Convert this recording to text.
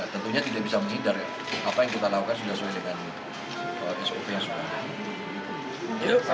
tentunya tidak bisa menghindar apa yang kita lakukan sudah sesuai dengan sop yang sudah ada